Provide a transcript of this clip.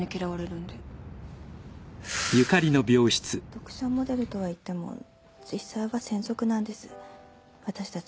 読者モデルとはいっても実際は専属なんですわたしたちは。